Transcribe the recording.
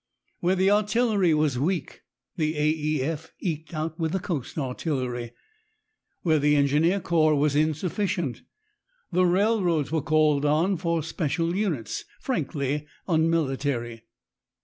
Where the artillery was weak, the A. E. F. eked out with the coast artillery. Where the engineer corps was insufficient, the railroads were called on for special units, frankly unmilitary.